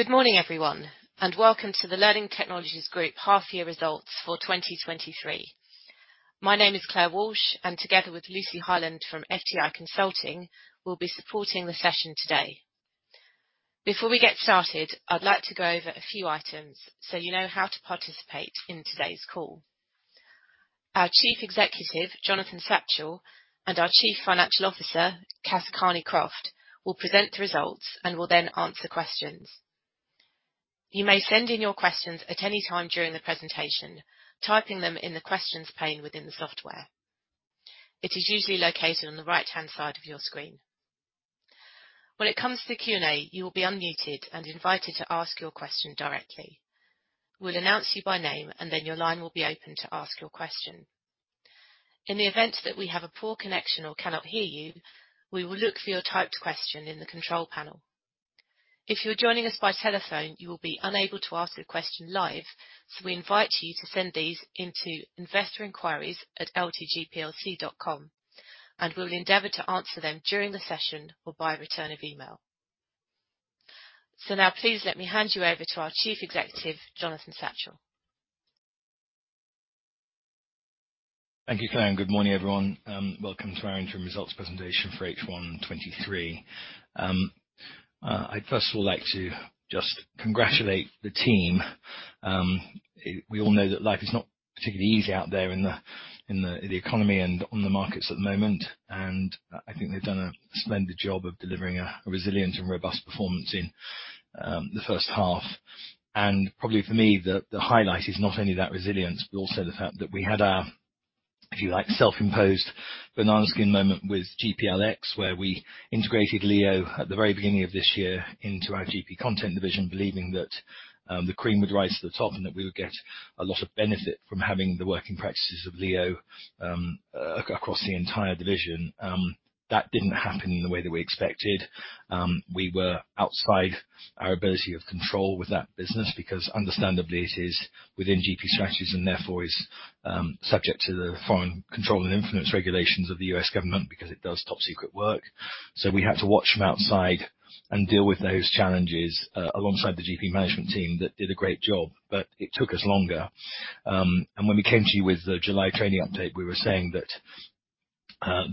Good morning, everyone, and welcome to the Learning Technologies Group half year results for 2023. My name is Claire Walsh, and together with Lucy Highland from FTI Consulting, we'll be supporting the session today. Before we get started, I'd like to go over a few items so you know how to participate in today's call. Our Chief Executive, Jonathan Satchell, and our Chief Financial Officer, Kath Kearney-Croft, will present the results and will then answer questions. You may send in your questions at any time during the presentation, typing them in the questions pane within the software. It is usually located on the right-hand side of your screen. When it comes to the Q&A, you will be unmuted and invited to ask your question directly. We'll announce you by name, and then your line will be open to ask your question. In the event that we have a poor connection or cannot hear you, we will look for your typed question in the control panel. If you're joining us by telephone, you will be unable to ask a question live, so we invite you to send these into investor inquiries at ltgplc.com, and we'll endeavor to answer them during the session or by return of email. So now please let me hand you over to our Chief Executive, Jonathan Satchell. Thank you, Claire, and good morning, everyone. Welcome to our interim results presentation for H1 2023. I'd first of all like to just congratulate the team. We all know that life is not particularly easy out there in the economy and on the markets at the moment, and I think they've done a splendid job of delivering a resilient and robust performance in the H1. Probably for me, the highlight is not only that resilience, but also the fact that we had our, if you like, self-imposed banana skin moment with GPLX, where we integrated LEO at the very beginning of this year into our GP Content division, believing that the cream would rise to the top and that we would get a lot of benefit from having the working practices of LEO across the entire division. That didn't happen in the way that we expected. We were outside our ability of control with that business because understandably, it is within GP Strategies, and therefore is subject to the foreign control and influence regulations of the U.S. government because it does top-secret work. So we had to watch from outside and deal with those challenges alongside the GP management team that did a great job, but it took us longer. And when we came to you with the July trading update, we were saying that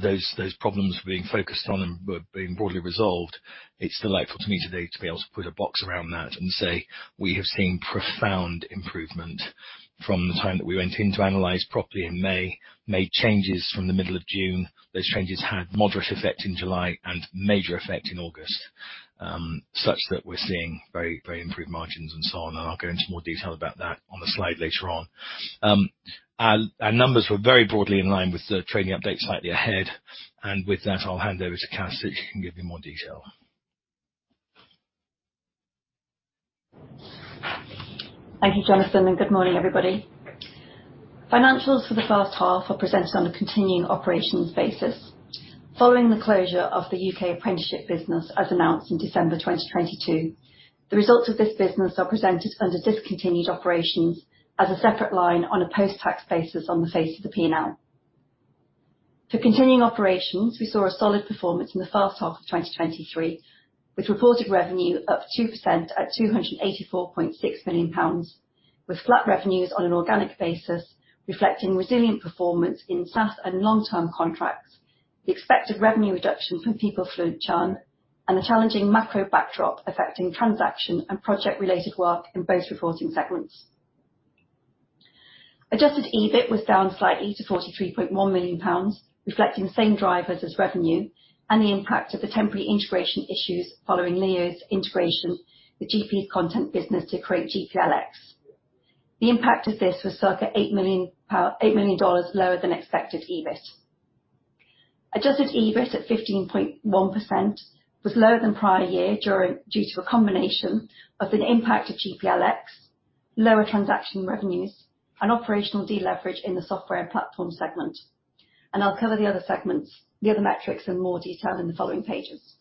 those, those problems were being focused on and were being broadly resolved. It's delightful to me today to be able to put a box around that and say: We have seen profound improvement from the time that we went in to analyze properly in May, made changes from the middle of June. Those changes had moderate effect in July and major effect in August such that we're seeing very, very improved margins and so on, and I'll go into more detail about that on the slide later on. Our numbers were very broadly in line with the trading update, slightly ahead, and with that, I'll hand over to Kath, so she can give you more detail. Thank you, Jonathan, and good morning, everybody. Financials for the H1 are presented on a continuing operations basis. Following the closure of the U.K. apprenticeship business, as announced in December 2022, the results of this business are presented under discontinued operations as a separate line on a post-tax basis on the face of the P&L. For continuing operations, we saw a solid performance in the H1 of 2023, with reported revenue up 2% at 284.6 million pounds, with flat revenues on an organic basis, reflecting resilient performance in SaaS and long-term contracts, the expected revenue reduction from PeopleFluent churn, and a challenging macro backdrop affecting transaction and project-related work in both reporting segments. Adjusted EBIT was down slightly to GBP 43.1 million, reflecting the same drivers as revenue and the impact of the temporary integration issues following LEO's integration with GP Content business to create GPLX. The impact of this was circa eight million dollars lower than expected EBIT. Adjusted EBIT at 15.1% was lower than prior year due to a combination of the impact of GPLX, lower transaction revenues, and operational deleverage in the software and platform segment. And I'll cover the other segments, the other metrics in more detail in the following pages.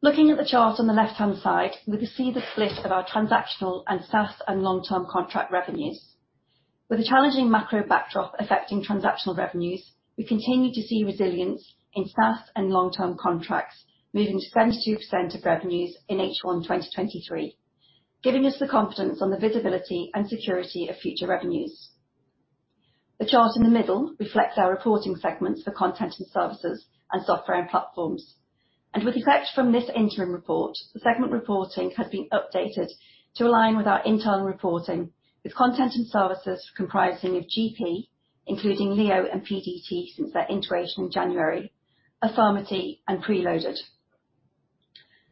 Looking at the chart on the left-hand side, we can see the split of our transactional and SaaS, and long-term contract revenues. With a challenging macro backdrop affecting transactional revenues, we continue to see resilience in SaaS and long-term contracts, moving to 72% of revenues in H1 2023, giving us the confidence on the visibility and security of future revenues. The chart in the middle reflects our reporting segments for content and services, and software and platforms. With effect from this interim report, the segment reporting has been updated to align with our internal reporting, with content and services comprising of GP, including LEO and PDT since their integration in January, Affirmity and PRELOADED.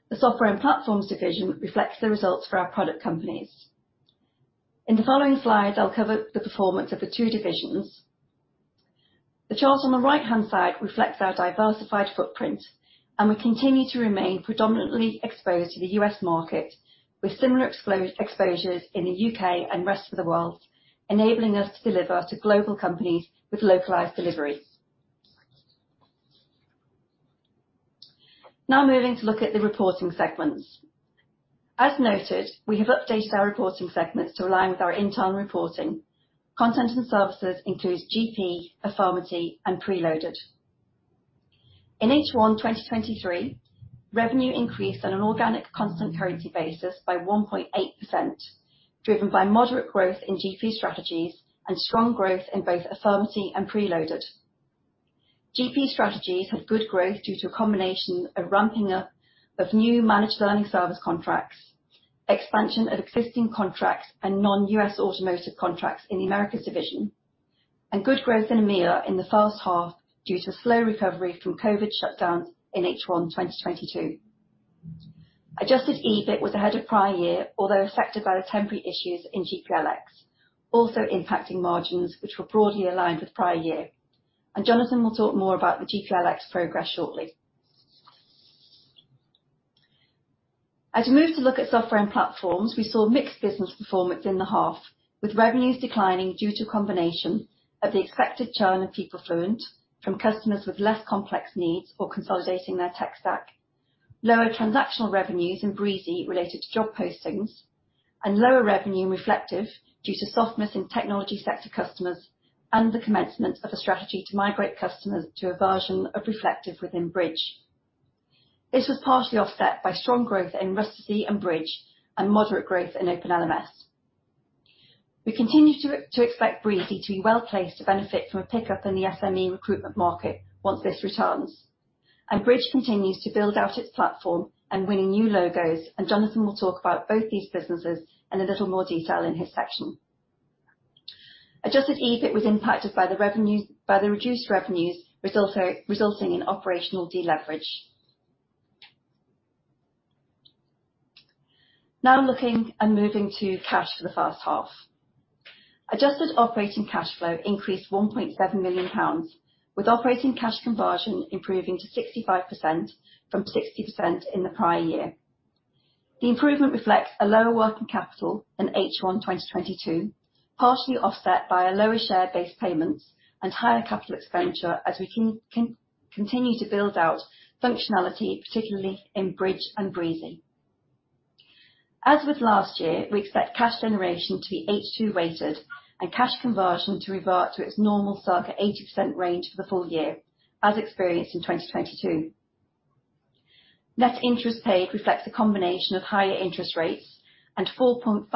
The software and platforms division reflects the results for our product companies. In the following slides, I'll cover the performance of the two divisions. The chart on the right-hand side reflects our diversified footprint, and we continue to remain predominantly exposed to the US market, with similar exposures in the UK and rest of the world, enabling us to deliver to global companies with localized delivery. Now moving to look at the reporting segments. As noted, we have updated our reporting segments to align with our internal reporting. Content and services includes GP, Affirmity, and PRELOADED. In H1 2023, revenue increased on an organic constant currency basis by 1.8%, driven by moderate growth in GP Strategies and strong growth in both Affirmity and PRELOADED. GP Strategies had good growth due to a combination of ramping up of new managed learning service contracts, expansion of existing contracts, and non-US automotive contracts in the Americas division, and good growth in EMEA in the H1, due to slow recovery from COVID shutdowns in H1 2022. Adjusted EBIT was ahead of prior year, although affected by the temporary issues in GPLX, also impacting margins, which were broadly aligned with prior year. Jonathan will talk more about the GPLX progress shortly. As we move to look at software and platforms, we saw mixed business performance in the half, with revenues declining due to a combination of the expected churn of PeopleFluent from customers with less complex needs or consolidating their tech stack, lower transactional revenues in Breezy related to job postings, and lower revenue in Reflektive due to softness in technology sector customers and the commencement of a strategy to migrate customers to a version of Reflektive within Bridge. This was partially offset by strong growth in Rustici and Bridge and moderate growth in Open LMS. We continue to expect Breezy to be well-placed to benefit from a pickup in the SME recruitment market once this returns. Bridge continues to build out its platform and winning new logos, and Jonathan will talk about both these businesses in a little more detail in his section. Adjusted EBIT was impacted by the reduced revenues, resulting in operational deleverage. Now looking and moving to cash for the H1. Adjusted operating cash flow increased 1.7 million pounds, with operating cash conversion improving to 65% from 60% in the prior year. The improvement reflects a lower working capital in H1 2022, partially offset by a lower share-based payment and higher capital expenditure, as we continue to build out functionality, particularly in Bridge and Breezy. As with last year, we expect cash generation to be H2 weighted and cash conversion to revert to its normal circa 80% range for the full year, as experienced in 2022. Net interest paid reflects a combination of higher interest rates and 4.5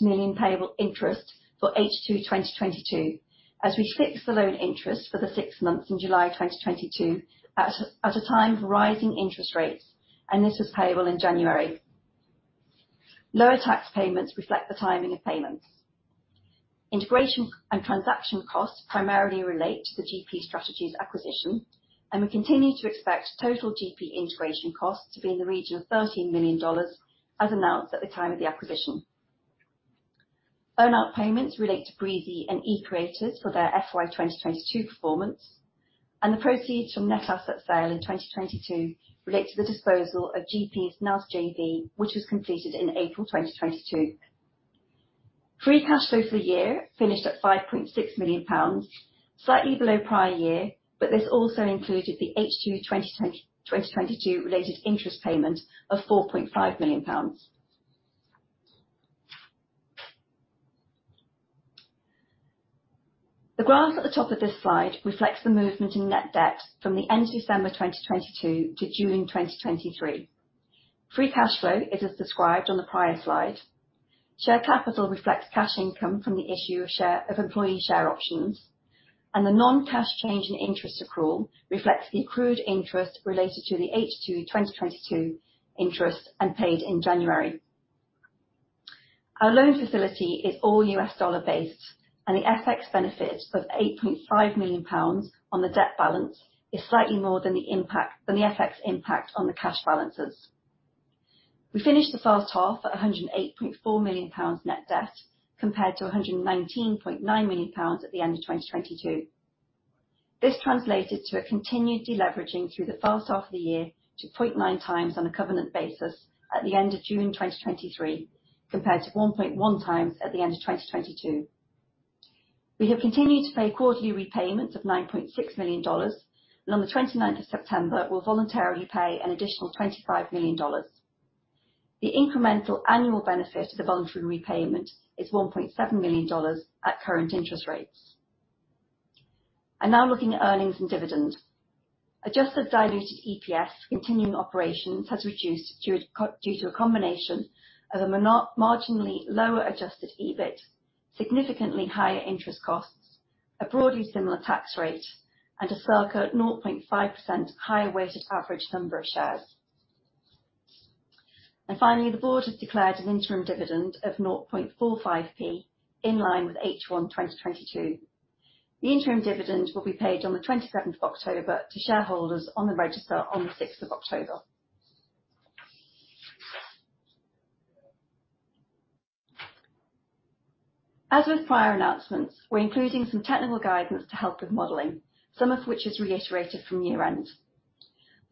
million pounds payable interest for H2 2022, as we fixed the loan interest for the six months in July 2022, at a time of rising interest rates, and this was payable in January. Lower tax payments reflect the timing of payments. Integration and transaction costs primarily relate to the GP Strategies acquisition, and we continue to expect total GP integration costs to be in the region of $13 million, as announced at the time of the acquisition. Earnout payments relate to Breezy and eCreators for their FY 2022 performance, and the proceeds from net asset sale in 2022 relate to the disposal of GP's NARS JV, which was completed in April 2022. Free cash flow for the year finished at 5.6 million pounds, slightly below prior year, but this also included the H2 2020, 2022 related interest payment of 4.5 million pounds. The graph at the top of this slide reflects the movement in net debt from the end of December 2022 to June 2023. Free cash flow is as described on the prior slide. Share capital reflects cash income from the issue of employee share options, and the non-cash change in interest accrual reflects the accrued interest related to the H2 2022 interest and paid in January. Our loan facility is all US dollar based, and the FX benefit of 8.5 million pounds on the debt balance is slightly more than the impact than the FX impact on the cash balances. We finished the H1 at GBP 108.4 million net debt, compared to GBP 119.9 million at the end of 2022. This translated to a continued deleveraging through the H1 of the year to 0.9x on a covenant basis at the end of June 2023, compared to 1.1x at the end of 2022. We have continued to pay quarterly repayments of $9.6 million, and on the 29th of September, we'll voluntarily pay an additional $25 million. The incremental annual benefit of the voluntary repayment is $1.7 million at current interest rates. And now looking at earnings and dividends. Adjusted diluted EPS continuing operations has reduced due to a combination of a marginally lower Adjusted EBIT, significantly higher interest costs, a broadly similar tax rate, and a circa 0.5% higher weighted average number of shares. Finally, the board has declared an interim dividend of 0.45p, in line with H1 2022. The interim dividend will be paid on the twenty-seventh of October to shareholders on the register on the sixth of October. As with prior announcements, we're including some technical guidance to help with modeling, some of which is reiterated from year-end.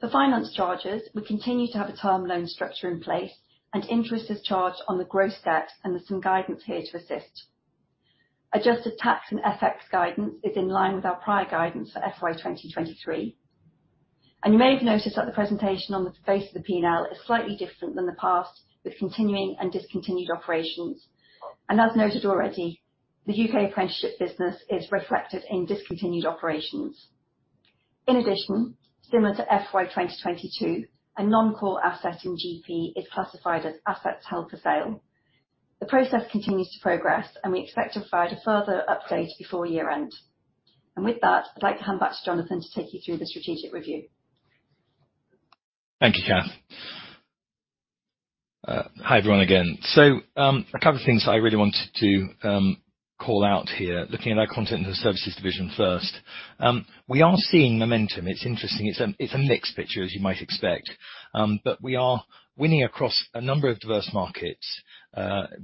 For finance charges, we continue to have a term loan structure in place, and interest is charged on the gross debt, and there's some guidance here to assist. Adjusted tax and FX guidance is in line with our prior guidance for FY 2023. You may have noticed that the presentation on the face of the P&L is slightly different than the past, with continuing and discontinued operations. As noted already, the UK apprenticeship business is reflected in discontinued operations. In addition, similar to FY 2022, a non-core asset in GP is classified as assets held for sale. The process continues to progress, and we expect to provide a further update before year-end. With that, I'd like to hand back to Jonathan to take you through the strategic review. Thank you, Kath. Hi, everyone, again. So, a couple of things I really wanted to call out here. Looking at our content and services division first. We are seeing momentum. It's interesting. It's a mixed picture, as you might expect. But we are winning across a number of diverse markets,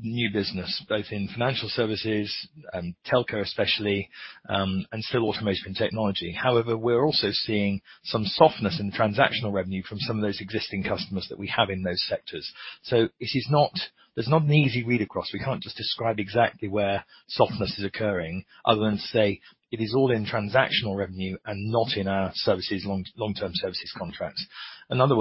new business, both in financial services and telco especially, and still automotive and technology. However, we're also seeing some softness in transactional revenue from some of those existing customers that we have in those sectors. So this is not, there's not an easy read-across. We can't just describe exactly where softness is occurring other than to say it is all in transactional revenue and not in our services, long-term services contracts. In other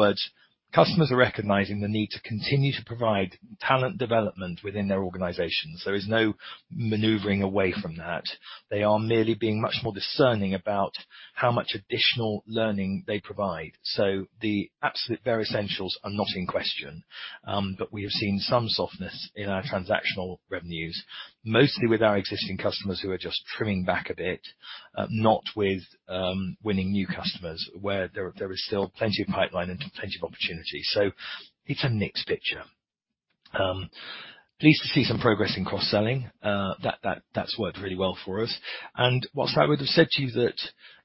words, customers are recognizing the need to continue to provide talent development within their organizations. There is no maneuvering away from that. They are merely being much more discerning about how much additional learning they provide. So the absolute bare essentials are not in question, but we have seen some softness in our transactional revenues, mostly with our existing customers, who are just trimming back a bit, not with winning new customers, where there is still plenty of pipeline and plenty of opportunities. So it's a mixed picture. Pleased to see some progress in cross-selling. That's worked really well for us. And whilst I would have said to you that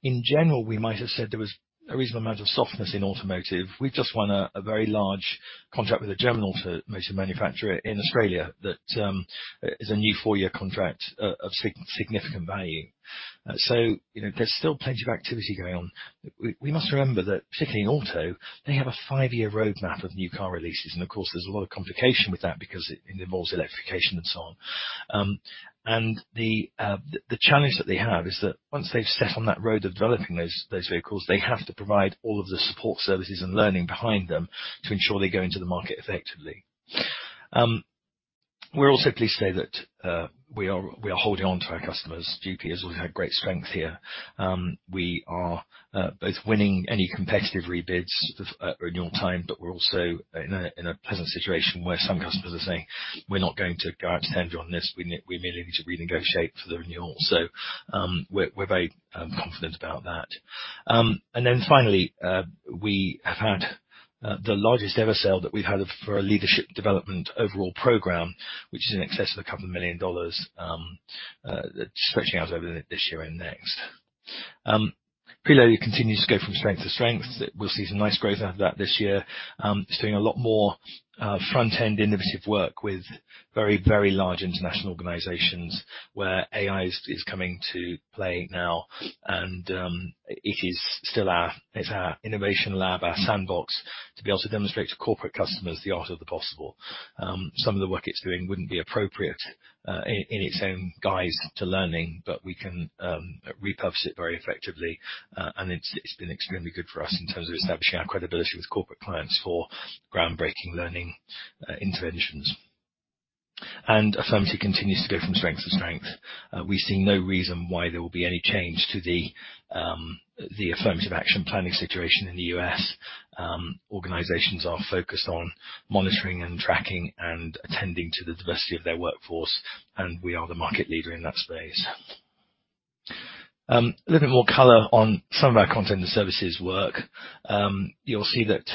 in general, we might have said there was a reasonable amount of softness in automotive, we've just won a very large contract with a general auto manufacturer in Australia that is a new four-year contract of significant value. So, you know, there's still plenty of activity going on. We must remember that, particularly in auto, they have a five-year roadmap of new car releases, and of course, there's a lot of complication with that because it involves electrification and so on. The challenge that they have is that once they've set on that road of developing those vehicles, they have to provide all of the support services and learning behind them to ensure they go into the market effectively. We're also pleased to say that we are holding on to our customers. GP has always had great strength here. We are both winning any competitive rebids, renewal time, but we're also in a pleasant situation where some customers are saying, "We're not going to go out to tender on this. We merely need to renegotiate for the renewal." So, we're very confident about that. And then finally, we have had the largest ever sale that we've had for a leadership development overall program, which is in excess of $2 million, stretching out over this year and next. PRELOADED continues to go from strength to strength. We'll see some nice growth out of that this year. It's doing a lot more front-end innovative work with very, very large international organizations where AI is coming to play now, and it is still our-- It's our innovation lab, our sandbox, to be able to demonstrate to corporate customers the art of the possible. Some of the work it's doing wouldn't be appropriate in its own guise to learning, but we can repurpose it very effectively. It's been extremely good for us in terms of establishing our credibility with corporate clients for groundbreaking learning interventions. Affirmity continues to go from strength to strength. We see no reason why there will be any change to the affirmative action planning situation in the U.S. Organizations are focused on monitoring and tracking and attending to the diversity of their workforce, and we are the market leader in that space. A little bit more color on some of our content and services work. You'll see that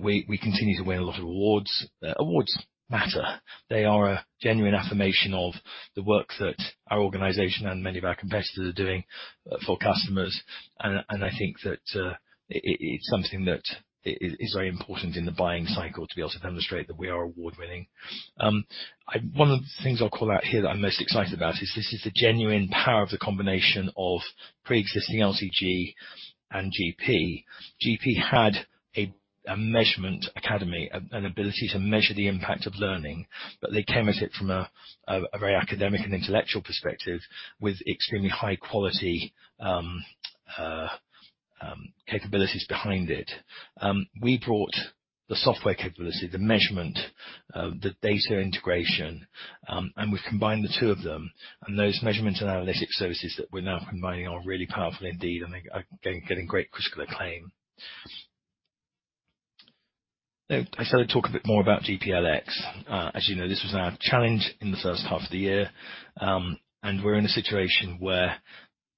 we continue to win a lot of awards. Awards matter. They are a genuine affirmation of the work that our organization and many of our competitors are doing for customers. And I think that it is very important in the buying cycle, to be able to demonstrate that we are award-winning. One of the things I'll call out here that I'm most excited about is this is the genuine power of the combination of preexisting LTG and GP. GP had a Measurement Academy, an ability to measure the impact of learning, but they came at it from a very academic and intellectual perspective with extremely high quality capabilities behind it. We brought the software capability, the measurement, the data integration, and we've combined the two of them. Those measurements and analytics services that we're now combining are really powerful indeed, and they are getting great critical acclaim. Now, I said I'd talk a bit more about GPLX. As you know, this was our challenge in the H1 of the year, and we're in a situation where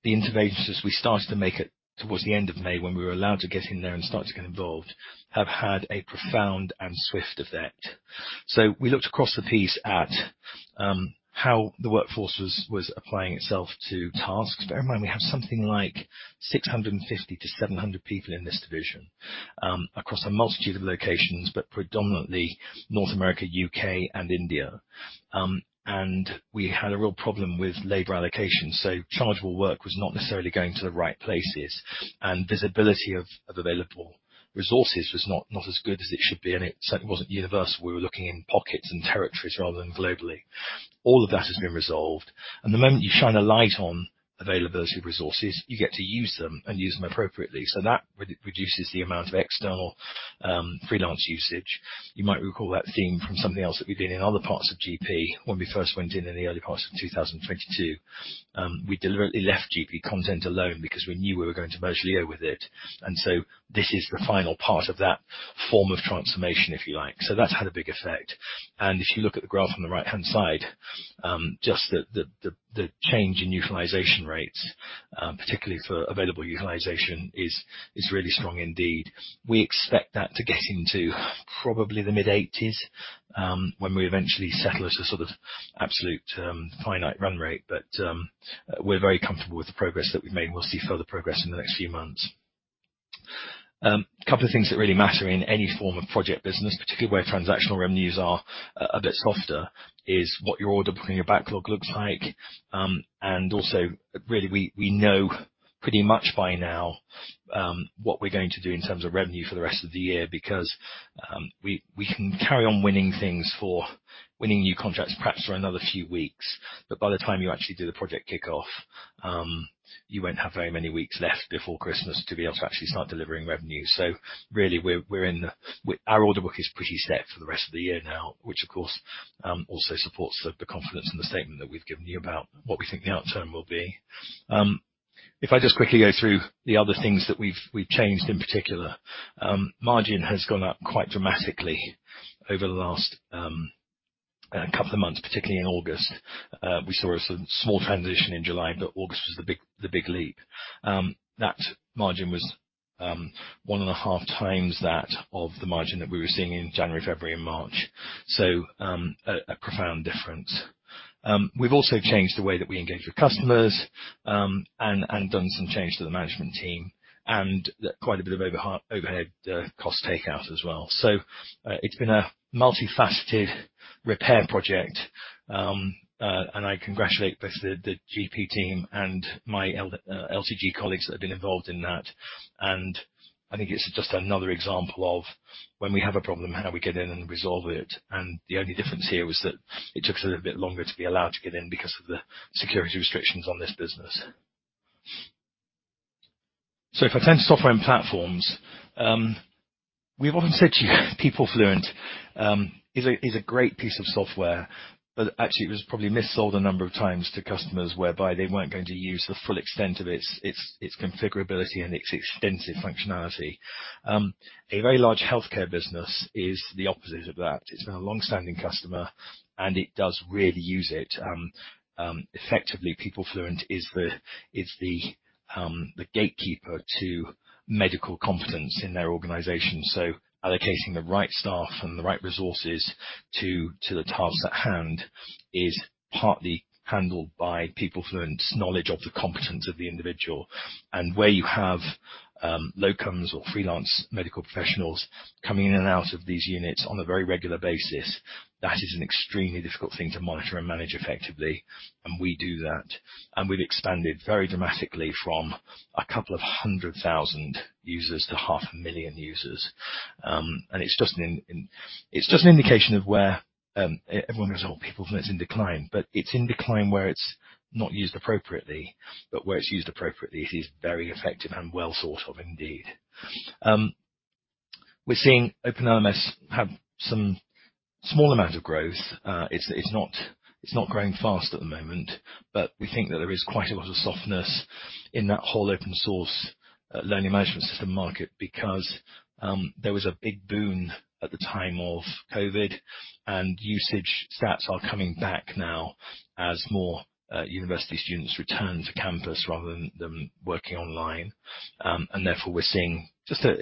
the interventions we started to make it towards the end of May, when we were allowed to get in there and start to get involved, have had a profound and swift effect. So we looked across the piece at how the workforce was applying itself to tasks. Bear in mind, we have something like 650-700 people in this division, across a multitude of locations, but predominantly North America, U.K., and India. And we had a real problem with labor allocation, so chargeable work was not necessarily going to the right places, and visibility of available resources was not as good as it should be, and it certainly wasn't universal. We were looking in pockets and territories rather than globally. All of that has been resolved, and the moment you shine a light on availability of resources, you get to use them and use them appropriately. So that reduces the amount of external freelance usage. You might recall that theme from something else that we did in other parts of GP when we first went in, in the early parts of 2022. We deliberately left GP Content alone because we knew we were going to merge Leo with it, and so this is the final part of that form of transformation, if you like. So that's had a big effect. And if you look at the graph on the right-hand side, just the change in utilization rates, particularly for available utilization, is really strong indeed. We expect that to get into probably the mid-80s, when we eventually settle at a sort of absolute, finite run rate. But, we're very comfortable with the progress that we've made, and we'll see further progress in the next few months. A couple of things that really matter in any form of project business, particularly where transactional revenues are a bit softer, is what your order book and your backlog looks like. And also, really, we know pretty much by now what we're going to do in terms of revenue for the rest of the year, because we can carry on winning things for winning new contracts, perhaps for another few weeks. But by the time you actually do the project kickoff, you won't have very many weeks left before Christmas to be able to actually start delivering revenue. So really, we're in. Our order book is pretty set for the rest of the year now, which, of course, also supports the confidence and the statement that we've given you about what we think the outcome will be. If I just quickly go through the other things that we've changed in particular. Margin has gone up quite dramatically over the last couple of months, particularly in August. We saw a sort of small transition in July, but August was the big, the big leap. That margin was one and a half times that of the margin that we were seeing in January, February, and March. So, a profound difference. We've also changed the way that we engage with customers, and done some change to the management team, and quite a bit of overhead cost takeout as well. So, it's been a multifaceted repair project, and I congratulate both the GP team and my LTG colleagues that have been involved in that. And I think it's just another example of when we have a problem, how do we get in and resolve it? The only difference here was that it took us a little bit longer to be allowed to get in because of the security restrictions on this business. If I turn to software and platforms, we've often said to you PeopleFluent is a great piece of software, but actually it was probably mis-sold a number of times to customers, whereby they weren't going to use the full extent of its configurability and its extensive functionality. A very large healthcare business is the opposite of that. It's been a long-standing customer, and it does really use it. Effectively, PeopleFluent is the gatekeeper to medical competence in their organization. Allocating the right staff and the right resources to the tasks at hand is partly handled by PeopleFluent's knowledge of the competence of the individual. And where you have, locums or freelance medical professionals coming in and out of these units on a very regular basis, that is an extremely difficult thing to monitor and manage effectively, and we do that. And we've expanded very dramatically from 200,000 users to 500,000 users. And it's just an indication of where, everyone goes, "Oh, PeopleFluent is in decline," but it's in decline where it's not used appropriately, but where it's used appropriately, it is very effective and well thought of indeed. We're seeing Open LMS have some small amount of growth. It's not growing fast at the moment, but we think that there is quite a lot of softness in that whole open source learning management system market because there was a big boom at the time of COVID, and usage stats are coming back now as more university students return to campus rather than them working online. And therefore, we're seeing just a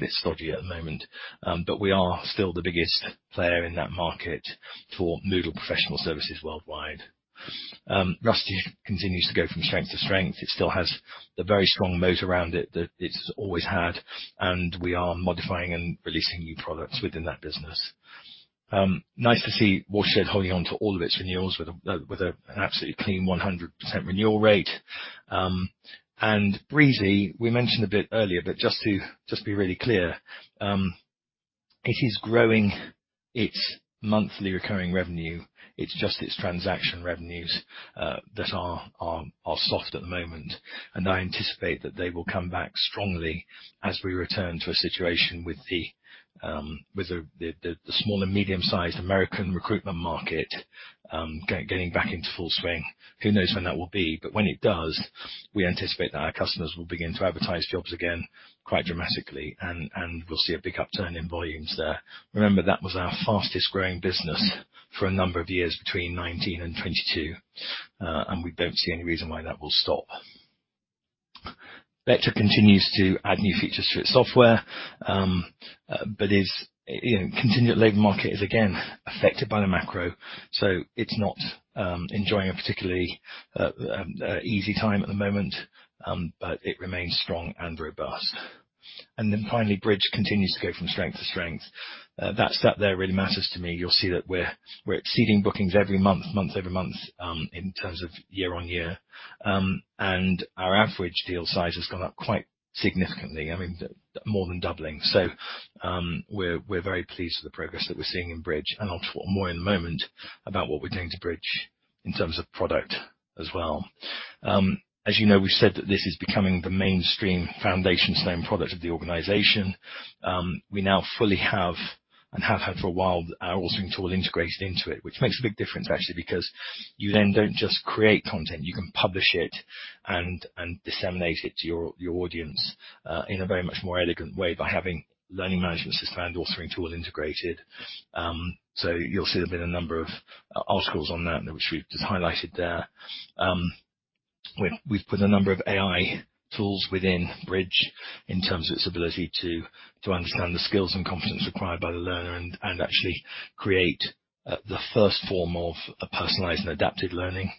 bit stodgy at the moment, but we are still the biggest player in that market for Moodle professional services worldwide. Rustici continues to go from strength to strength. It still has the very strong moat around it that it's always had, and we are modifying and releasing new products within that business. Nice to see Watershed holding on to all of its renewals with an absolutely clean 100% renewal rate. And Breezy, we mentioned a bit earlier, but just to be really clear, it is growing its monthly recurring revenue. It's just its transaction revenues that are soft at the moment, and I anticipate that they will come back strongly as we return to a situation with the small and medium-sized American recruitment market getting back into full swing. Who knows when that will be? But when it does, we anticipate that our customers will begin to advertise jobs again quite dramatically, and we'll see a big upturn in volumes there. Remember, that was our fastest-growing business for a number of years, between 2019 and 2022, and we don't see any reason why that will stop. Vector continues to add new features to its software, but is, you know, continued labor market is again affected by the macro, so it's not, enjoying a particularly, easy time at the moment, but it remains strong and robust. And then finally, Bridge continues to go from strength to strength. That stat there really matters to me. You'll see that we're, we're exceeding bookings every month, month-over-month, in terms of year-on-year. And our average deal size has gone up quite significantly, I mean, more than doubling. So, we're, we're very pleased with the progress that we're seeing in Bridge, and I'll talk more in a moment about what we're doing to Bridge in terms of product as well. As you know, we've said that this is becoming the mainstream foundation stone product of the organization. We now fully have, and have had for a while, our authoring tool integrated into it, which makes a big difference actually, because you then don't just create content, you can publish it and disseminate it to your audience in a very much more elegant way by having learning management system and authoring tool integrated. So you'll see there've been a number of articles on that, which we've just highlighted there. We, we've put a number of AI tools within Bridge, in terms of its ability to understand the skills and competence required by the learner, and actually create the first form of a personalized and adapted learning.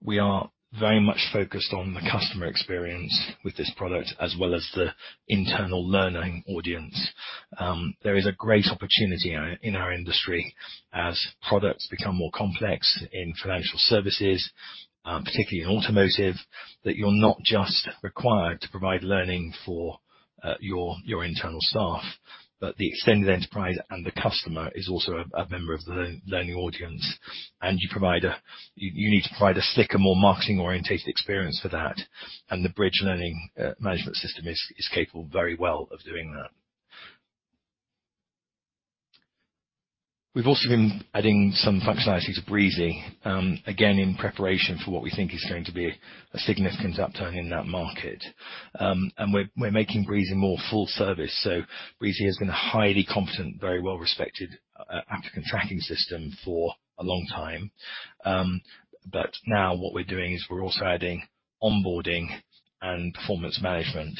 We are very much focused on the customer experience with this product, as well as the internal learning audience. There is a great opportunity in our industry as products become more complex in financial services, particularly in automotive, that you're not just required to provide learning for your internal staff, but the Extended Enterprise, and the customer is also a member of the learning audience, and you need to provide a slicker, more marketing-oriented experience for that. The Bridge Learning Management System is capable very well of doing that. We've also been adding some functionality to Breezy, again, in preparation for what we think is going to be a significant upturn in that market. And we're making Breezy more full service. So Breezy has been a highly competent, very well-respected applicant tracking system for a long time. But now what we're doing is we're also adding onboarding and performance management.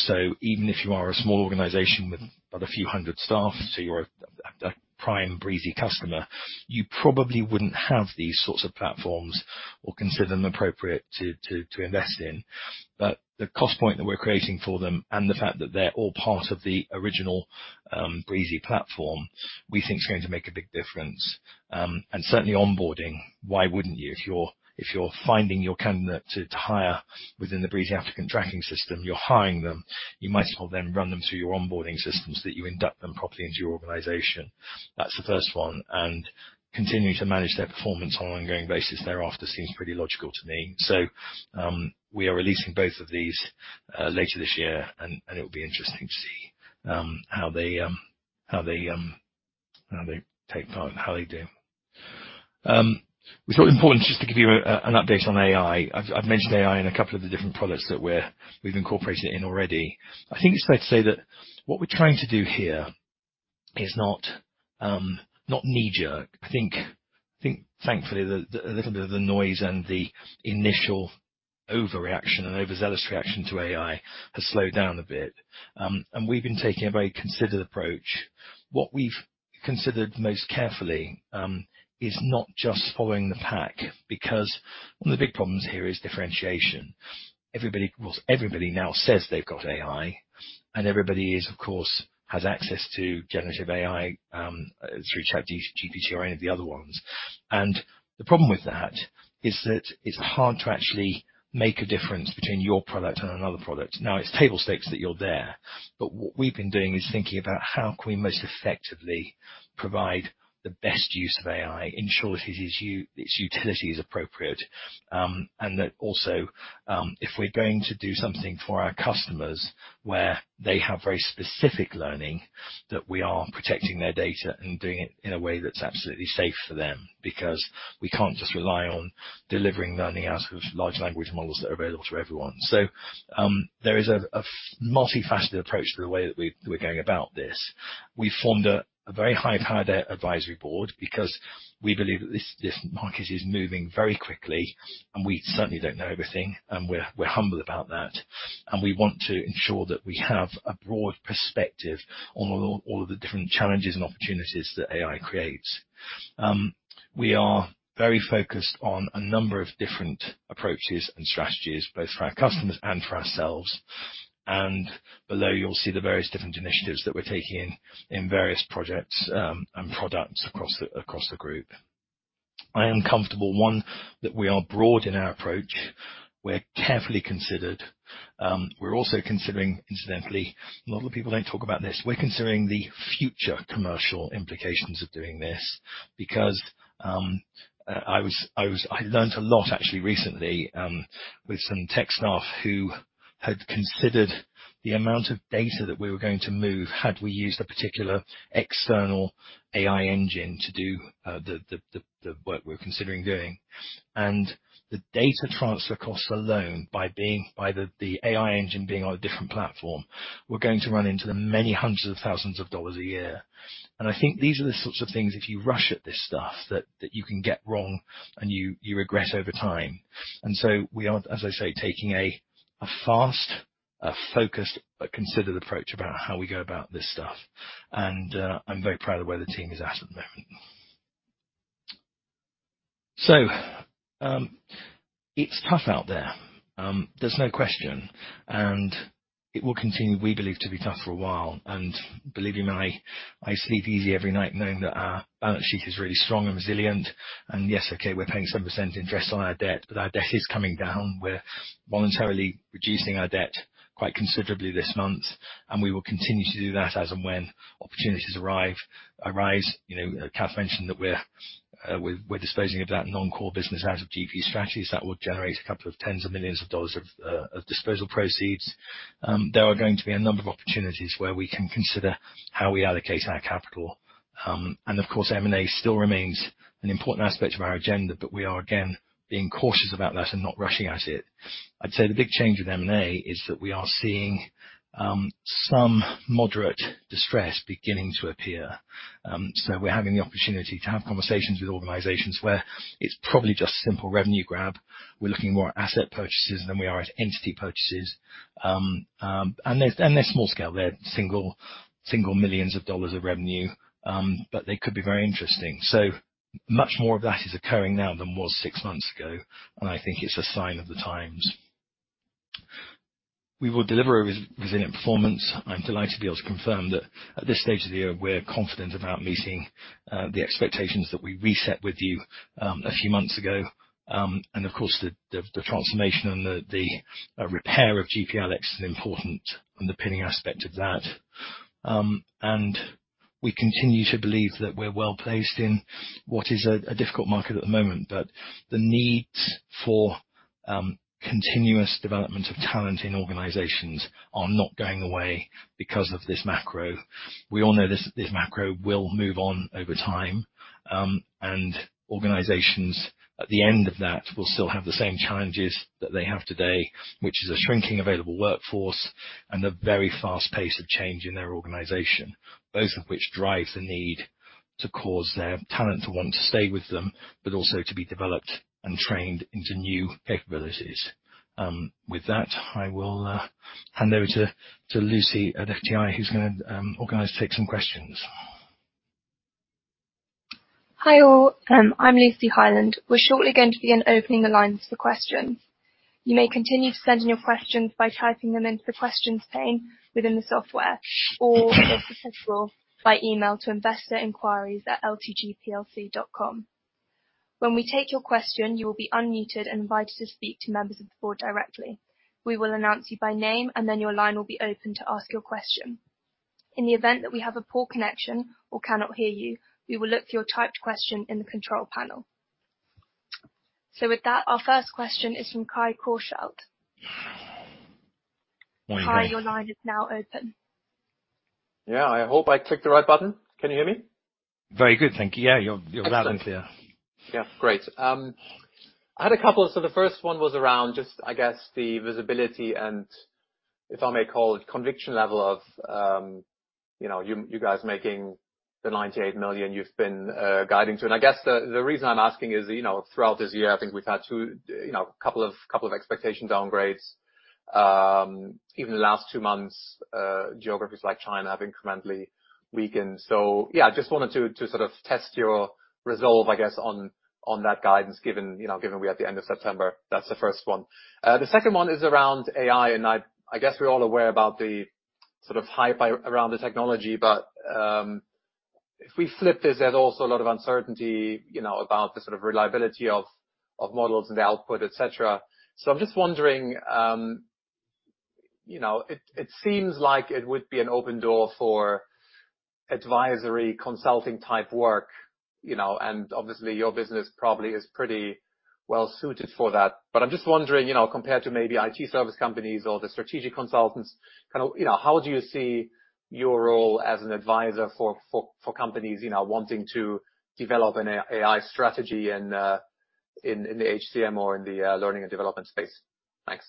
So even if you are a small organization with about a few hundred staff, so you're a prime Breezy customer, you probably wouldn't have these sorts of platforms or consider them appropriate to invest in. But the cost point that we're creating for them, and the fact that they're all part of the original Breezy platform, we think is going to make a big difference. And certainly onboarding, why wouldn't you? If you're finding your candidate to hire within the Breezy applicant tracking system, you're hiring them, you might as well then run them through your onboarding systems, that you induct them properly into your organization. That's the first one, and continuing to manage their performance on an ongoing basis thereafter, seems pretty logical to me. So, we are releasing both of these later this year, and it'll be interesting to see how they take part, and how they do. It's important just to give you an update on AI. I've mentioned AI in a couple of the different products that we've incorporated it in already. I think it's fair to say that what we're trying to do here is not knee-jerk. I think thankfully, the little bit of the noise and the initial overreaction and overzealous reaction to AI has slowed down a bit. And we've been taking a very considered approach. What we've considered most carefully is not just following the pack, because one of the big problems here is differentiation. Everybody... Well, everybody now says they've got AI, and everybody is, of course, has access to generative AI through ChatGPT or any of the other ones. And the problem with that is that it's hard to actually make a difference between your product and another product. Now, it's table stakes that you're there, but what we've been doing is thinking about how can we most effectively provide the best use of AI, ensure that its utility is appropriate, and that also, if we're going to do something for our customers where they have very specific learning, that we are protecting their data and doing it in a way that's absolutely safe for them, because we can't just rely on delivering learning out of large language models that are available to everyone. So, there is a multifaceted approach to the way that we're going about this. We formed a very high-powered advisory board because we believe that this market is moving very quickly, and we certainly don't know everything, and we're humble about that, and we want to ensure that we have a broad perspective on all the different challenges and opportunities that AI creates. We are very focused on a number of different approaches and strategies, both for our customers and for ourselves. And below, you'll see the various different initiatives that we're taking in various projects, and products across the group. I am comfortable, one, that we are broad in our approach. We're carefully considered. We're also considering, incidentally, a lot of people don't talk about this: we're considering the future commercial implications of doing this. Because I was-- I learned a lot actually recently with some tech staff who had considered the amount of data that we were going to move had we used a particular external AI engine to do the work we're considering doing. And the data transfer costs alone by the AI engine being on a different platform, we're going to run into $many hundreds of thousands a year. And I think these are the sorts of things, if you rush at this stuff, that you can get wrong and you regret over time. And so we are, as I say, taking a fast, a focused but considered approach about how we go about this stuff. And I'm very proud of where the team is at the moment. It's tough out there. There's no question. It will continue, we believe, to be tough for a while, and believe you me, I sleep easy every night knowing that our balance sheet is really strong and resilient. And yes, okay, we're paying 7% interest on our debt, but our debt is coming down. We're voluntarily reducing our debt quite considerably this month, and we will continue to do that as and when opportunities arise. You know, Cath mentioned that we're disposing of that non-core business out of GP Strategies. That will generate up to tens of million of dollars of disposal proceeds. There are going to be a number of opportunities where we can consider how we allocate our capital. And of course, M&A still remains an important aspect of our agenda, but we are, again, being cautious about that and not rushing at it. I'd say the big change with M&A is that we are seeing some moderate distress beginning to appear. So we're having the opportunity to have conversations with organizations where it's probably just simple revenue grab. We're looking more at asset purchases than we are at entity purchases. And they're small scale. They're single millions of dollars of revenue, but they could be very interesting. So much more of that is occurring now than was six months ago, and I think it's a sign of the times. We will deliver a resilient performance. I'm delighted to be able to confirm that at this stage of the year, we're confident about meeting the expectations that we reset with you a few months ago. And of course, the transformation and the repair of GPLX is an important and underpinning aspect of that. And we continue to believe that we're well-placed in what is a difficult market at the moment, but the need for continuous development of talent in organizations are not going away because of this macro. We all know this, this macro will move on over time, and organizations at the end of that will still have the same challenges that they have today, which is a shrinking available workforce and a very fast pace of change in their organization, both of which drive the need to cause their talent to want to stay with them, but also to be developed and trained into new capabilities. With that, I will hand over to Lucy at FTI, who's gonna organize to take some questions. Hi, all. I'm Lucy Highland. We're shortly going to be opening the lines for questions. You may continue to send in your questions by typing them into the Questions pane within the software, or by email to investor inquiries@ltgplc.com. When we take your question, you will be unmuted and invited to speak to members of the board directly. We will announce you by name, and then your line will be open to ask your question. In the event that we have a poor connection or cannot hear you, we will look for your typed question in the control panel. So with that, our first question is from Kai Korschelt. Morning, Kai. Kai, your line is now open. Yeah, I hope I clicked the right button. Can you hear me? Very good, thank you. Yeah, you're, you're loud and clear. Yeah, great. I had a couple. So the first one was around just, I guess, the visibility and, if I may call it, conviction level of, you know, you, you guys making the 98 million you've been guiding to. And I guess the, the reason I'm asking is, you know, throughout this year, I think we've had two, you know, couple of, couple of expectation downgrades. Even the last two months, geographies like China have incrementally weakened. So yeah, I just wanted to, to sort of test your resolve, I guess, on, on that guidance, given, you know, given we're at the end of September. That's the first one. The second one is around AI, and I guess we're all aware about the sort of hype around the technology, but if we flip this, there's also a lot of uncertainty, you know, about the sort of reliability of models and the output, et cetera. So I'm just wondering, you know, it seems like it would be an open door for advisory consulting type work, you know, and obviously your business probably is pretty well-suited for that. But I'm just wondering, you know, compared to maybe IT service companies or the strategic consultants, kind of, you know, how do you see your role as an advisor for companies, you know, wanting to develop an AI strategy in the HCM or in the learning and development space? Thanks.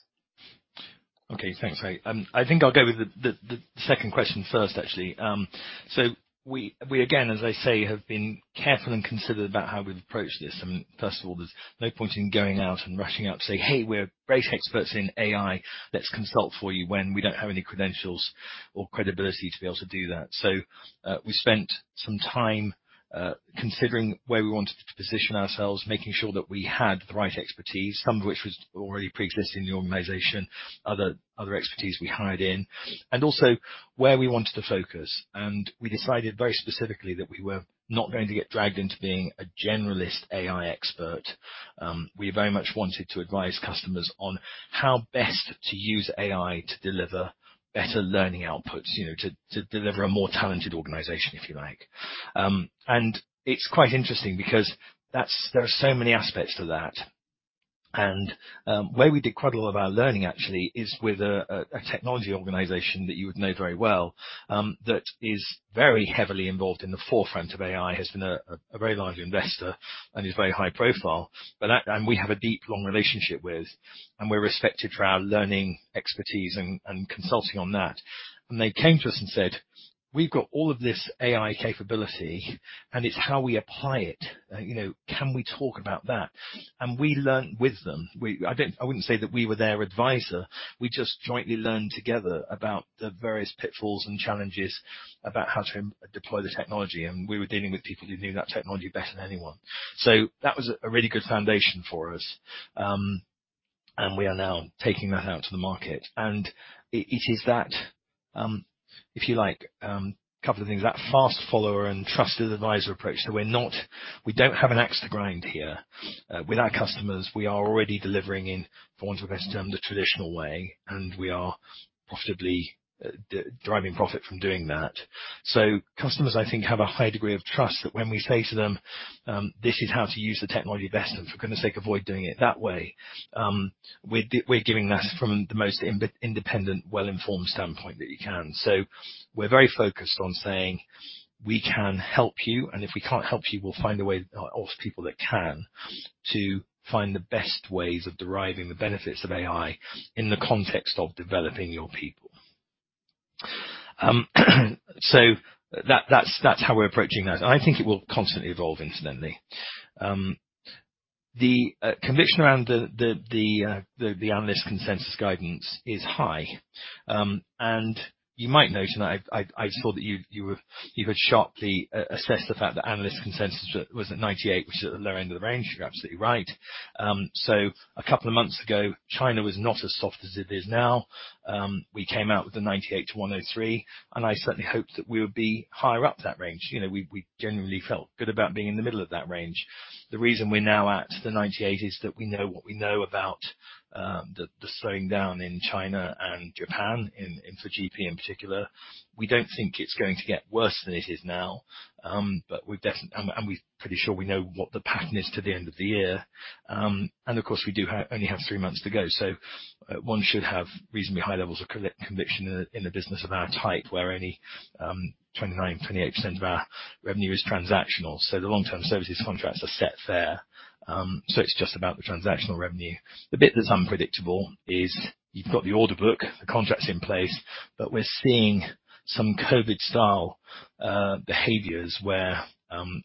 Okay, thanks, Kai. I think I'll go with the second question first, actually. So we again, as I say, have been careful and considered about how we've approached this. I mean, first of all, there's no point in going out and rushing out to say, "Hey, we're great experts in AI, let's consult for you," when we don't have any credentials or credibility to be able to do that. So, we spent some time considering where we wanted to position ourselves, making sure that we had the right expertise, some of which was already pre-existing in the organization, other expertise we hired in, and also where we wanted to focus. And we decided very specifically that we were not going to get dragged into being a generalist AI expert. We very much wanted to advise customers on how best to use AI to deliver better learning outputs, you know, to deliver a more talented organization, if you like. And it's quite interesting because that's - there are so many aspects to that. And where we did quite a lot of our learning, actually, is with a technology organization that you would know very well, that is very heavily involved in the forefront of AI, has been a very large investor and is very high profile. But that - and we have a deep, long relationship with, and we're respected for our learning expertise and consulting on that. And they came to us and said, "We've got all of this AI capability, and it's how we apply it. You know, can we talk about that?" And we learned with them. I wouldn't say that we were their advisor. We just jointly learned together about the various pitfalls and challenges about how to deploy the technology, and we were dealing with people who knew that technology better than anyone. So that was a really good foundation for us. And we are now taking that out to the market. And it is that, if you like, a couple of things, that fast follower and trusted advisor approach, that we don't have an axe to grind here. With our customers, we are already delivering in, for want of a best term, the traditional way, and we are possibly deriving profit from doing that. So customers, I think, have a high degree of trust that when we say to them, "This is how to use the technology best, and for goodness sake, avoid doing it that way," we're giving that from the most independent, well-informed standpoint that you can. So we're very focused on saying: We can help you, and if we can't help you, we'll find a way, or ask people that can, to find the best ways of deriving the benefits of AI in the context of developing your people. So that, that's how we're approaching that. I think it will constantly evolve, incidentally. The conviction around the analyst consensus guidance is high. And you might note, and I saw that you were... You had sharply assessed the fact that analyst consensus was at 98, which is at the lower end of the range. You're absolutely right. So a couple of months ago, China was not as soft as it is now. We came out with the 98-103, and I certainly hope that we would be higher up that range. You know, we generally felt good about being in the middle of that range. The reason we're now at the 98 is that we know what we know about the slowing down in China and Japan, in particular for GP. We don't think it's going to get worse than it is now, but we're definitely, and we're pretty sure we know what the pattern is to the end of the year. And of course, we only have three months to go, so one should have reasonably high levels of conviction in a business of our type, where only 29, 28% of our revenue is transactional. So the long-term services contracts are set fair. So it's just about the transactional revenue. The bit that's unpredictable is you've got the order book, the contracts in place, but we're seeing some COVID-style behaviors where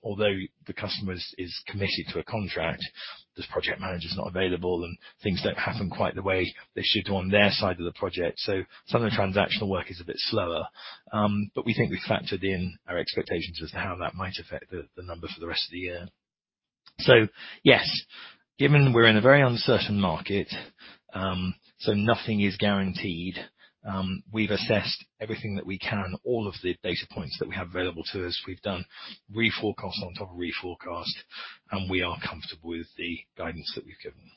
although the customers is committed to a contract, this project manager is not available, and things don't happen quite the way they should on their side of the project. So some of the transactional work is a bit slower. But we think we factored in our expectations as to how that might affect the number for the rest of the year. So yes, given we're in a very uncertain market, so nothing is guaranteed. We've assessed everything that we can, all of the data points that we have available to us. We've done reforecast on top of reforecast, and we are comfortable with the guidance that we've given.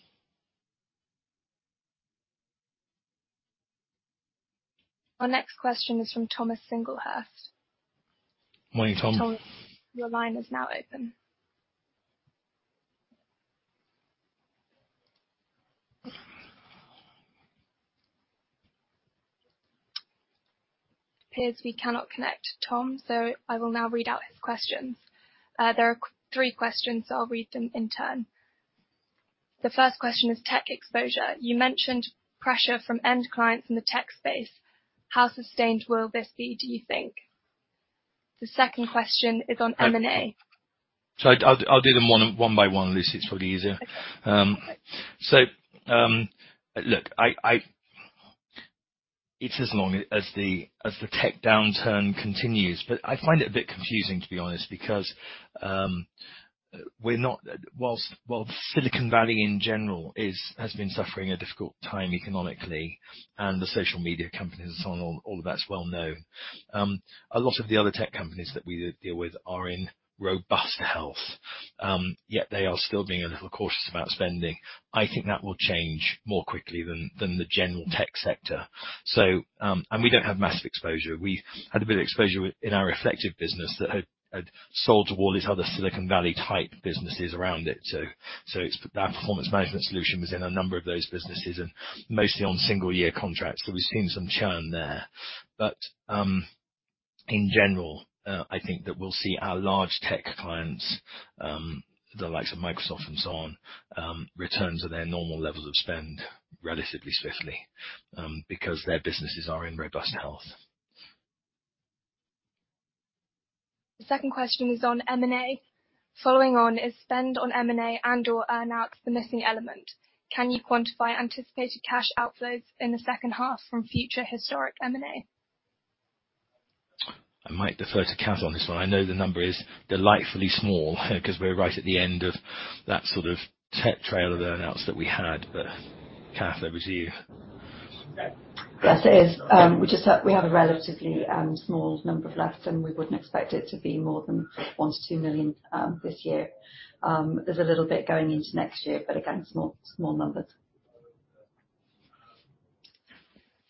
Our next question is from Thomas Sherwin. Morning, Tom. Tom, your line is now open. It appears we cannot connect Tom, so I will now read out his questions. There are three questions, so I'll read them in turn. The first question is tech exposure: You mentioned pressure from end clients in the tech space. How sustained will this be, do you think? The second question is on M&A. I'll do them one by one, Lucy. It's probably easier. Okay. Look, it's as long as the tech downturn continues, but I find it a bit confusing, to be honest, because we're not while Silicon Valley in general has been suffering a difficult time economically, and the social media companies and so on, all of that's well known. A lot of the other tech companies that we deal with are in robust health, yet they are still being a little cautious about spending. I think that will change more quickly than the general tech sector. So. And we don't have massive exposure. We had a bit of exposure within our Reflektive business that had sold to all these other Silicon Valley type businesses around it. Our performance management solution was in a number of those businesses and mostly on single year contracts, so we've seen some churn there. But, in general, I think that we'll see our large tech clients, the likes of Microsoft and so on, return to their normal levels of spend relatively swiftly, because their businesses are in robust health. The second question is on M&A. Following on, is spend on M&A and/or earn-outs the missing element? Can you quantify anticipated cash outflows in the H2 from future historic M&A? I might defer to Cath on this one. I know the number is delightfully small because we're right at the end of that sort of tech trail of the earn-outs that we had. But Cath, over to you. Yes, it is. We just have a relatively small number left, and we wouldn't expect it to be more than 1 million to 2 million this year. There's a little bit going into next year, but again, small, small numbers.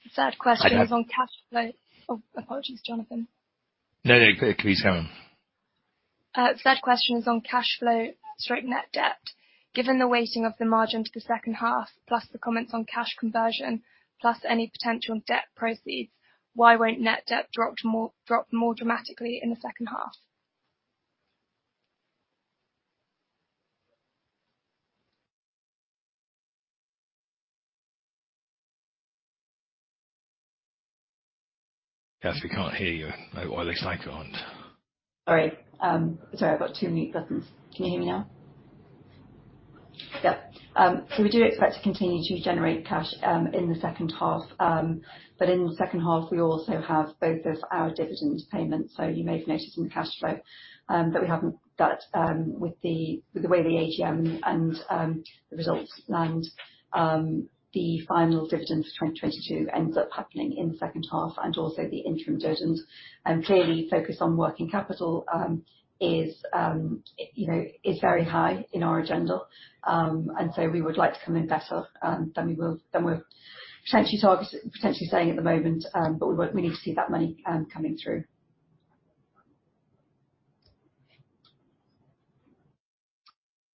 The third question- Hi, Kath. Is on cash flow. Oh, apologies, Jonathan. No, no, it can be coming. Third question is on cash flow/net debt. Given the weighting of the margin to the H2, plus the comments on cash conversion, plus any potential debt proceeds, why won't net debt drop more, drop more dramatically in the H2? Kath, we can't hear you. Well, at least I can't. Sorry. Sorry, I've got two mute buttons. Can you hear me now?... Yep. So we do expect to continue to generate cash in the H2. But in the H2, we also have both of our dividend payments. So you may have noticed in the cash flow that we haven't got, with the way the AGM and the results land, the final dividend for 2022 ends up happening in the H2, and also the interim dividend. And clearly, focus on working capital is, you know, very high on our agenda. And so we would like to come in better than we're potentially targeting - potentially saying at the moment, but we won't - we need to see that money coming through.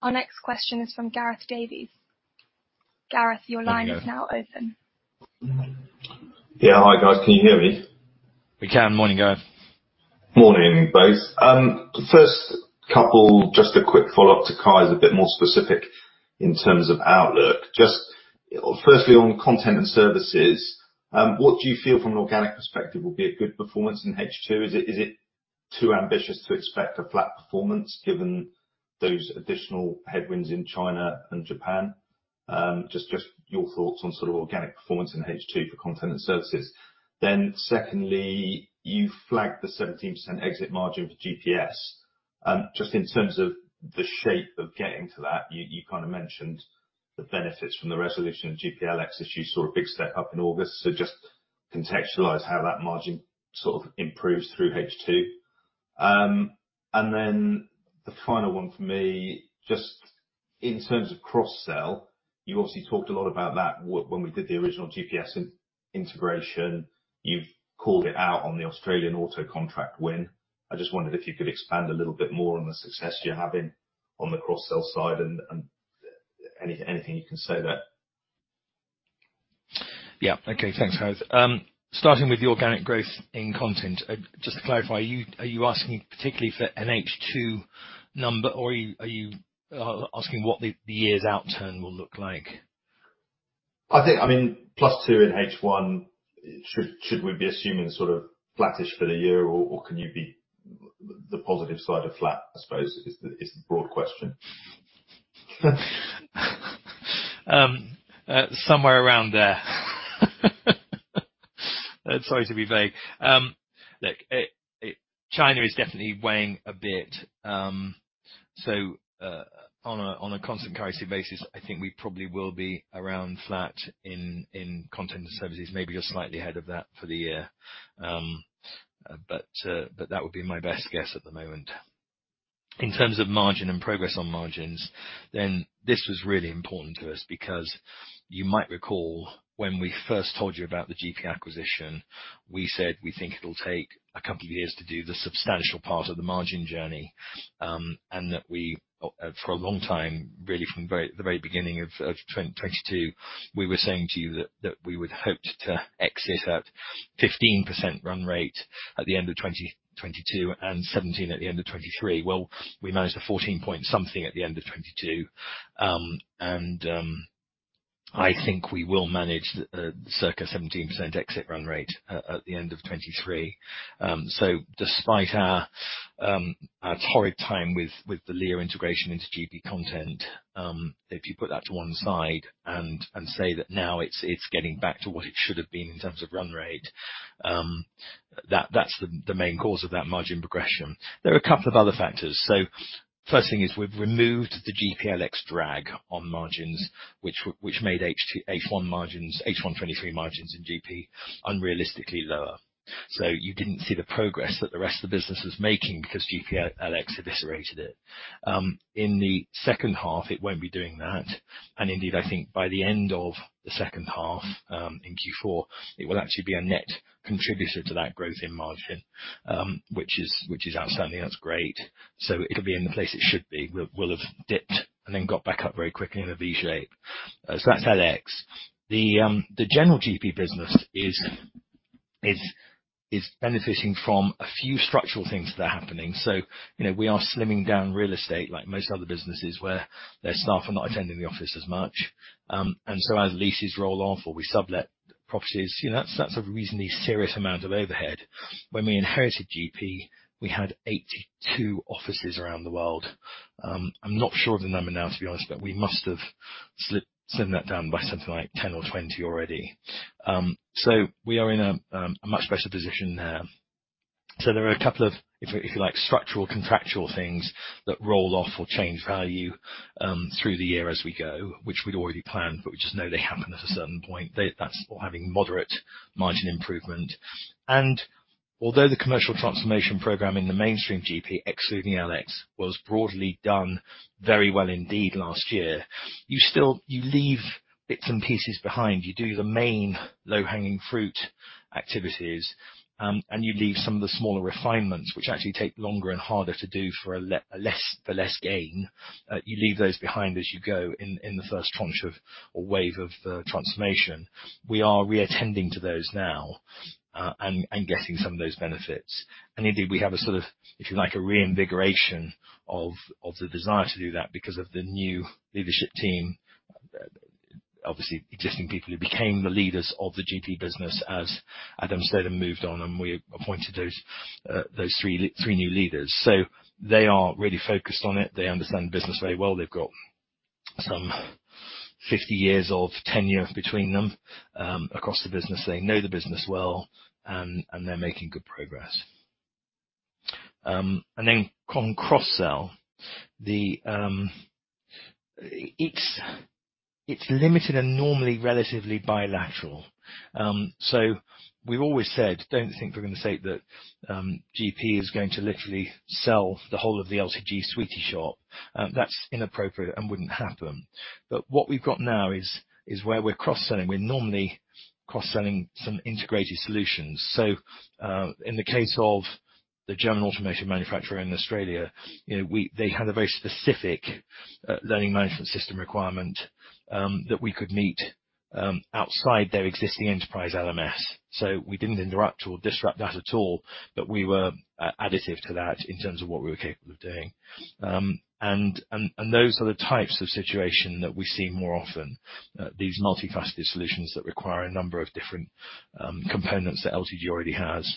Our next question is from Gareth Davies. Gareth, your line- Hello. is now open. Yeah. Hi, guys. Can you hear me? We can. Morning, Gareth. Morning, both. The first couple, just a quick follow-up to Kai's, a bit more specific in terms of outlook. Just firstly, on content and services, what do you feel from an organic perspective, will be a good performance in H2? Is it too ambitious to expect a flat performance, given those additional headwinds in China and Japan? Just your thoughts on sort of organic performance in H2 for content and services. Then secondly, you flagged the 17% exit margin for GP's. Just in terms of the shape of getting to that, you kind of mentioned the benefits from the resolution of GPLX, as you saw a big step up in August. So just contextualize how that margin sort of improves through H2. And then the final one for me, just in terms of cross-sell, you obviously talked a lot about that when we did the original GP's integration. You've called it out on the Australian auto contract win. I just wondered if you could expand a little bit more on the success you're having on the cross-sell side, and anything you can say there? Yeah. Okay, thanks, Gareth. Starting with the organic growth in content, just to clarify, are you asking particularly for an H2 number, or are you asking what the year's outturn will look like? I think... I mean, +2 in H1, should we be assuming sort of flattish for the year, or can you be the positive side of flat, I suppose, is the broad question? Somewhere around there. Sorry to be vague. Look, China is definitely weighing a bit, so on a constant currency basis, I think we probably will be around flat in content and services, maybe just slightly ahead of that for the year. But that would be my best guess at the moment. In terms of margin and progress on margins, then this was really important to us because you might recall, when we first told you about the GP acquisition, we said we think it'll take a couple of years to do the substantial part of the margin journey. And that we, for a long time, really, from the very, the very beginning of 2022, we were saying to you that we would hope to exit at 15% run rate at the end of 2022, and 17% at the end of 2023. Well, we managed a 14 point something at the end of 2022, and I think we will manage the circa 17% exit run rate at the end of 2023. So despite our horrid time with the LEO integration into GP Content, if you put that to one side and say that now it's getting back to what it should have been in terms of run rate, that's the main cause of that margin progression. There are a couple of other factors. So first thing is, we've removed the GPLX drag on margins, which which made H1 2023 margins in GP unrealistically lower. So you didn't see the progress that the rest of the business was making because GPLX eviscerated it. In the H2, it won't be doing that, and indeed, I think by the end of the H2, in Q4, it will actually be a net contributor to that growth in margin, which is, which is outstanding. That's great. So it'll be in the place it should be. We'll have dipped and then got back up very quickly in a V shape. So that's LX. The, the general GP business is benefiting from a few structural things that are happening. So, you know, we are slimming down real estate like most other businesses, where their staff are not attending the office as much. And so as leases roll off or we sublet properties, you know, that's, that's a reasonably serious amount of overhead. When we inherited GP, we had 82 offices around the world. I'm not sure of the number now, to be honest, but we must have slimmed that down by something like 10 or 20 already. So we are in a much better position there. So there are a couple of, if you, if you like, structural, contractual things that roll off or change value through the year as we go, which we'd already planned, but we just know they happen at a certain point. That's all having moderate margin improvement. And although the commercial transformation program in the mainstream GP, excluding LX, was broadly done very well indeed last year, you still you leave bits and pieces behind. You do the main low-hanging fruit activities, and you leave some of the smaller refinements, which actually take longer and harder to do for less gain. You leave those behind as you go in, in the first tranche or wave of the transformation. We are reattending to those now, and getting some of those benefits. And indeed, we have a sort of, if you like, a reinvigoration of the desire to do that, because of the new leadership team, obviously, existing people who became the leaders of the GP business as Adam Slater moved on, and we appointed those three new leaders. So they are really focused on it. They understand the business very well. They've got some 50 years of tenure between them across the business. They know the business well, and they're making good progress. And then on cross-sell, it's limited and normally relatively bilateral. So we've always said, don't think we're gonna say that, GP is going to literally sell the whole of the LTG sweetie shop. That's inappropriate and wouldn't happen. But what we've got now is where we're cross-selling, we're normally cross-selling some integrated solutions. So in the case of the German automation manufacturer in Australia, you know, we—they had a very specific learning management system requirement that we could meet outside their existing enterprise LMS. So we didn't interrupt or disrupt that at all, but we were additive to that in terms of what we were capable of doing. And those are the types of situation that we see more often, these multifaceted solutions that require a number of different components that LTG already has.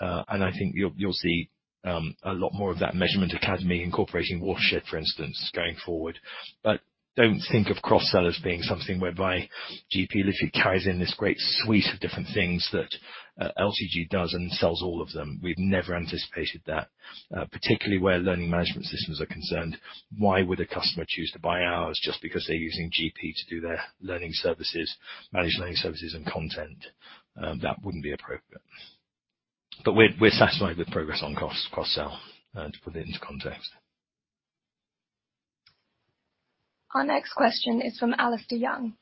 And I think you'll see a lot more of that Measurement Academy incorporating Watershed, for instance, going forward. But don't think of cross-sell as being something whereby GP literally carries in this great suite of different things that LTG does and sells all of them. We've never anticipated that. Particularly where learning management systems are concerned, why would a customer choose to buy ours just because they're using GP to do their learning services, managed learning services, and content? That wouldn't be appropriate. But we're satisfied with progress on cross-sell, to put it into context. Our next question is from Alistair Young.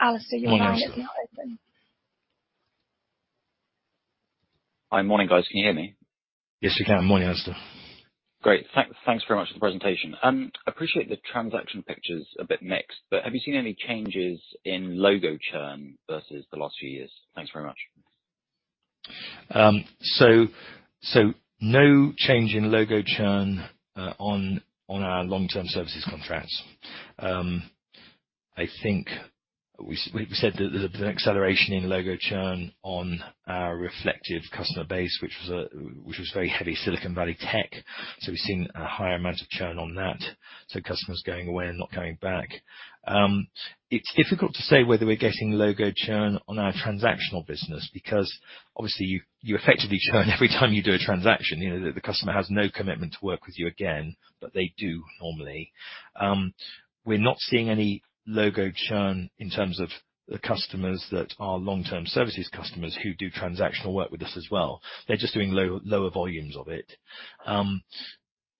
Alistair, your line is now open. Hi. Morning, guys. Can you hear me? Yes, we can. Morning, Alistair. Great. Thanks very much for the presentation. I appreciate the traction picture's a bit mixed, but have you seen any changes in logo churn versus the last few years? Thanks very much. So, no change in logo churn on our long-term services contracts. I think we said that there's an acceleration in logo churn on our Reflektive customer base, which was very heavy Silicon Valley tech, so we've seen a higher amount of churn on that, so customers going away and not coming back. It's difficult to say whether we're getting logo churn on our transactional business because obviously, you effectively churn every time you do a transaction. You know, the customer has no commitment to work with you again, but they do normally. We're not seeing any logo churn in terms of the customers that are long-term services customers who do transactional work with us as well. They're just doing lower volumes of it.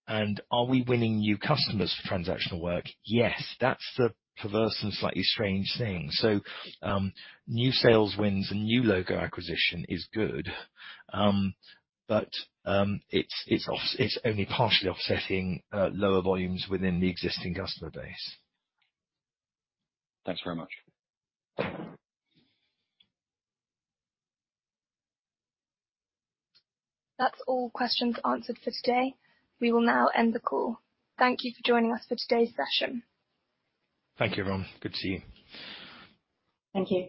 And are we winning new customers for transactional work? Yes, that's the perverse and slightly strange thing. So, new sales wins and new logo acquisition is good, but it's only partially offsetting lower volumes within the existing customer base. Thanks very much. That's all questions answered for today. We will now end the call. Thank you for joining us for today's session. Thank you, everyone. Good to see you. Thank you.